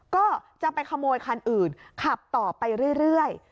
ก็จะไปขโมยคันอื่นขับต่อไปเรื่อย